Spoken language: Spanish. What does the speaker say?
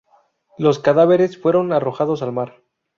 Los cadáveres fueron arrojados al mar.